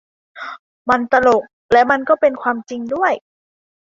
มันตลกและมันก็เป็นความจริงด้วย